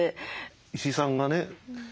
石井さんがね